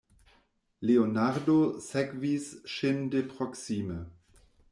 Leonardo sekvis ŝin de proksime.